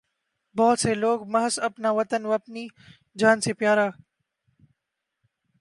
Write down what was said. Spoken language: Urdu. بہت سے لوگ محض اپنا وطن اپنی جان سے پیا را